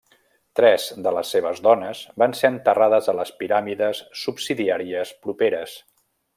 Tres de les seves dones van ser enterrades a les piràmides subsidiàries properes.